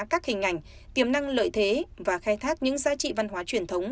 các hình ảnh tiềm năng lợi thế và khai thác những giá trị văn hóa truyền thống